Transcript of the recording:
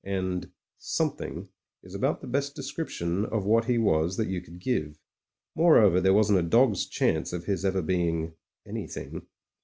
And "something" is about the best description of what he was that you could give. Moreover there wasn't a dog's chance of his ever being "anything."